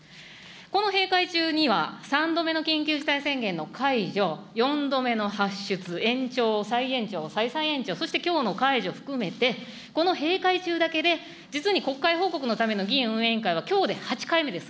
この閉会中には、３度目の緊急事態宣言の解除、４度目の発出、延長、再延長、再々延長、そしてきょうの解除含めて、この閉会中だけで、実に国会報告のための議院運営委員会はきょうで８回目です。